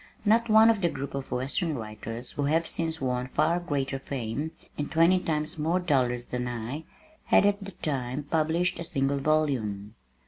Not one of the group of western writers who have since won far greater fame, and twenty times more dollars than I, had at that time published a single volume.